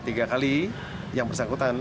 tiga kali yang bersangkutan